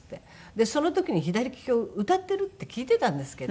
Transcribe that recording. でその時に『左きき』を歌っているって聞いていたんですけど。